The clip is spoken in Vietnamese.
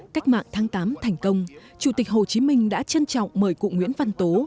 cách mạng tháng tám thành công chủ tịch hồ chí minh đã trân trọng mời cụ nguyễn văn tố